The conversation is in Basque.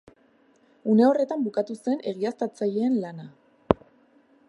Une horretan bukatu zen egiaztatzaileen lana.